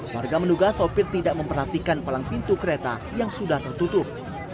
warga menduga sopir tidak memperhatikan palang pintu kereta yang sudah tertutup